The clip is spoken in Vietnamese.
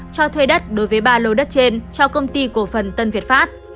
cho thuê đất đối với ba lầu đất trên cho công ty cổ phần tân việt phát